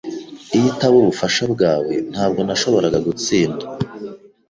Iyo itaba ubufasha bwawe, ntabwo nashoboraga gutsinda.